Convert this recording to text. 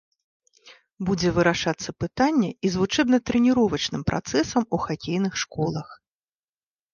Будзе вырашацца пытанне і з вучэбна-трэніровачным працэсам у хакейных школах.